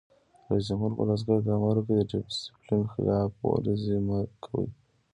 رئیس جمهور خپلو عسکرو ته امر وکړ؛ د ډسپلین خلاف ورزي مه کوئ!